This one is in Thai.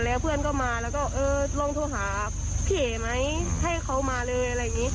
แล้วก็เค้าก็ตามไปทีละ